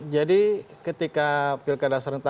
jadi ketika pilkada serentak itu